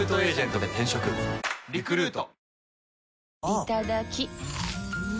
いただきっ！